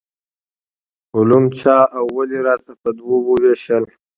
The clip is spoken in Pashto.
علوم چا او ولې راته په دوو وویشل.